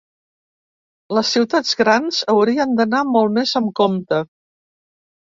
Les ciutats grans haurien d’anar molt més amb compte.